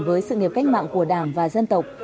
với sự nghiệp cách mạng của đảng và dân tộc